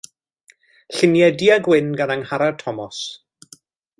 Lluniau du-a-gwyn gan Angharad Tomos.